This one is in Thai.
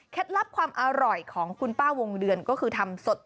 ลับความอร่อยของคุณป้าวงเดือนก็คือทำสด